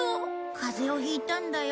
風邪をひいたんだよ。